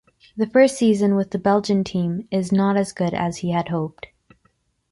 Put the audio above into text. This first season with the Belgian team is not as good as he had hoped.